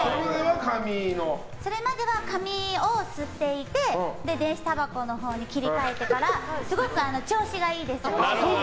それまでは紙を吸っていて電子たばこのほうに切り替えてからすごく調子がいいです。